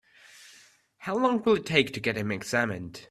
How long will it take to get him examined?